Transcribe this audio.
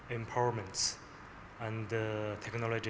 termasuk kekuatan dan teknologi